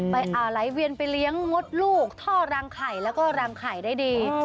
ไหลเวียนไปเลี้ยงมดลูกท่อรังไข่แล้วก็รังไข่ได้ดี